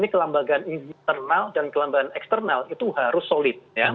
kelembagaan internal dan kelembagaan eksternal itu harus solid